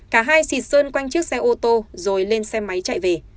cả hai xịt sơn quanh chiếc xe ô tô rồi lên xe máy chạy về